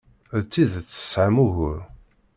D tidet tesɛam ugur.